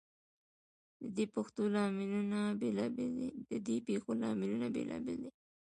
ددې پیښو لاملونه بیلابیل دي.